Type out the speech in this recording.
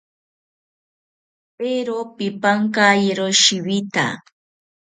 Eero pipankayiro shiwita